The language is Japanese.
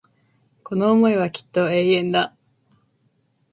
この思いはきっと永遠だ